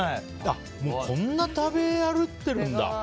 こんなに食べ歩いてるんだ。